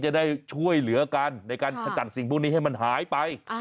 จะได้ช่วยเหลือกันในการขจัดสิ่งพวกนี้ให้มันหายไป